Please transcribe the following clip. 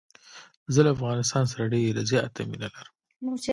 زه له افغانستان سره ډېره زیاته مینه لرم.